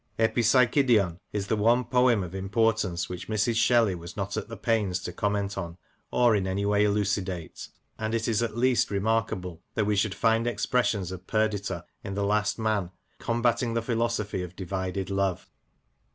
Epipsychidion is the one poem of importance which Mrs. Shelley was not at the pains to comment on, or in any way elucidate ; and it is at least remarkable that we should find expressions of Perdita in The Last Man combating the philosophy of divided love.